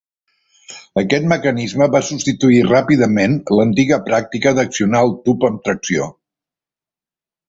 Aquest mecanisme va substituir ràpidament l'antiga pràctica d'accionar el tub amb tracció.